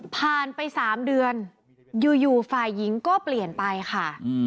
ผ่านไป๓เดือนอยู่ฝ่ายหญิงก็เปลี่ยนไปค่ะ